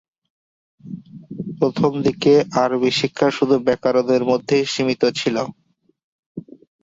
প্রথম দিকে আরবি শিক্ষা শুধু ব্যাকরণের মধ্যেই সীমিত ছিল।